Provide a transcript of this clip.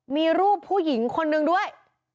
มีรูปผู้หญิงคนนึงด้วย